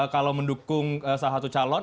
kalau mendukung salah satu calon